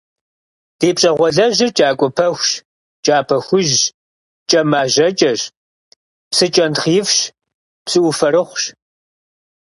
Ди пщӏэгъуалэжьыр кӏагуэ пахущ, кӏапэ хужьщ, кӏэмажьэкӏэщ, псы кӏэнтхъ ифщ, псыӏуфэрыхъущ.